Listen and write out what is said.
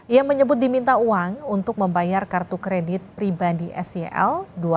ia menyebut diminta uang untuk membayar kartu kredit pribadi sel